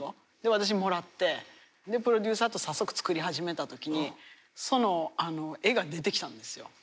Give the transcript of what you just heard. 私もらってプロデューサーと早速作り始めた時にその絵が出てきたんですよ。